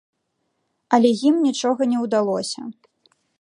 Але ім нічога не ўдалося.